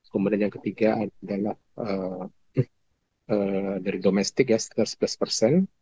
kemudian yang ketiga adalah dari domestik ya sekitar sebelas persen